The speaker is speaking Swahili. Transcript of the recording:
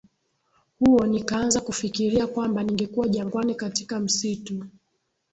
huo nikaanza kufikiria kwamba ningekuwa jangwani katika ya msitu